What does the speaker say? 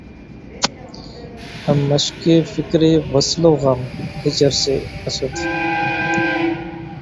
ہم مشقِ فکر وصل و غم ہجر سے‘ اسد!